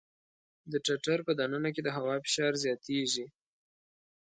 د ټټر په د ننه کې د هوا فشار زیاتېږي.